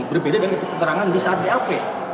berbeda dengan keterangan di saat bap